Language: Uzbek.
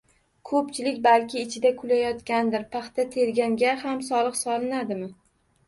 Ko‘pchilik balki ichida kulayotgandir paxta terganga ham soliq solinadimi?